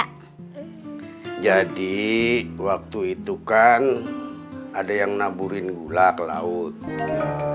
hai jadi waktu itu kan ada yang naburi lgbtq lord